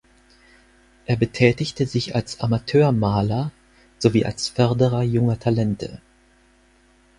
Er betätigte sich als Amateur-Maler sowie als Förderer junger Talente.